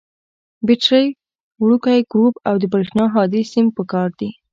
بټرۍ، وړوکی ګروپ او د برېښنا هادي سیم پکار دي.